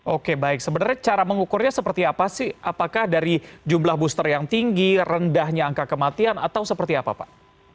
oke baik sebenarnya cara mengukurnya seperti apa sih apakah dari jumlah booster yang tinggi rendahnya angka kematian atau seperti apa pak